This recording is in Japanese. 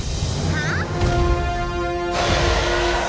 はあ？